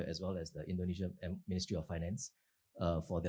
dan juga kementerian pembangunan indonesia indonesia